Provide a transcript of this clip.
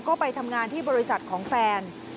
ก็ไปทำงานที่บริษัทของแฟน